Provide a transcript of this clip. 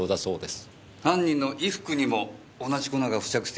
犯人の衣服にも同じ粉が付着してる可能性があります。